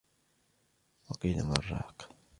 وقيل من راق